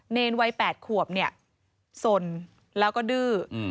เนรนวัยแปดขวบเนี่ยสนแล้วก็ดื้ออืม